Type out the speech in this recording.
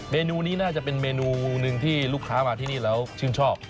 เมนูนี้น่าจะเป็นเมนูหนึ่งที่ลูกค้ามาที่นี่แล้วชื่นชอบ